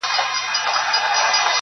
زموږ له وجوده و